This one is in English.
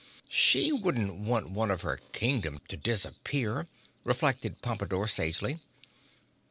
"She wouldn't want one of her Kingdom to disappear," reflected Pompadore sagely.